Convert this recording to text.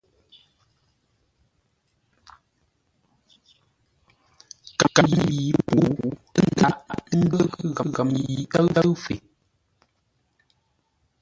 Kǎŋ yi pə̌u ə́ dǎghʼ də́ghʼə́ ghəm yi ə́ tə́ʉ fe.